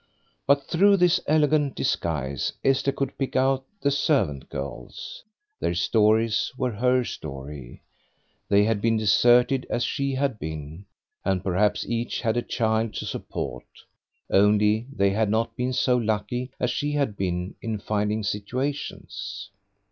But through this elegant disguise Esther could pick out the servant girls. Their stories were her story. They had been deserted, as she had been; and perhaps each had a child to support, only they had not been so lucky as she had been in finding situations.